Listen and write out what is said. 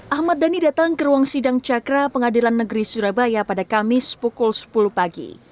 ahmad dhani datang ke ruang sidang cakra pengadilan negeri surabaya pada kamis pukul sepuluh pagi